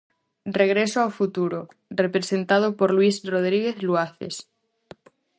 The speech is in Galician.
"Regreso ao futuro" representado por Luís Rodríguez Luaces.